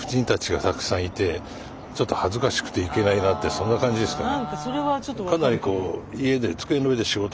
そんな感じですかね。